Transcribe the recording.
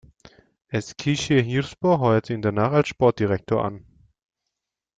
Eskişehirspor heuerte ihn danach als Sportdirektor an.